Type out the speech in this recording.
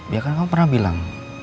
dia kan kamu pernah bilang